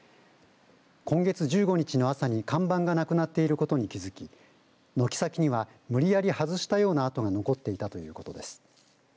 今月１５日の朝に看板がなくなっていることに気づき軒先には無理やり外したような跡が残っていたということです。